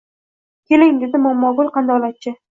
– Keling, – dedi Momogul qandolatchi